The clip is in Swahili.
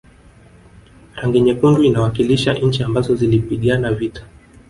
rangi nyekundu inawakilisha nchi ambazo zilipigana vita